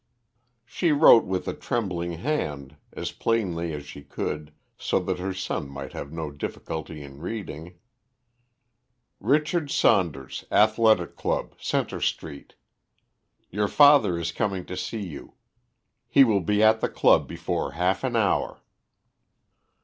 She wrote with a trembling hand, as plainly as she could, so that her son might have no difficulty in reading: "Richard Saunders, Athletic Club, Centre Street. "Your father is coming to see you. He will be at the club before half an hour."